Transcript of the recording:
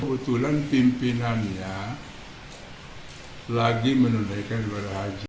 utulan pimpinannya lagi menundaikan berhaji